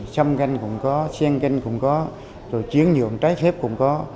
xăm ganh cũng có xen ganh cũng có rồi chuyển nhượng trái phép cũng có